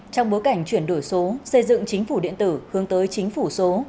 trong bối cảnh chuyển đổi số xây dựng chính phủ điện tử hướng tới chính phủ số